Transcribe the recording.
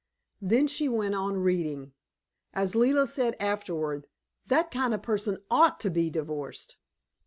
Then she went on reading. As Leila said afterward, that kind of person OUGHT to be divorced.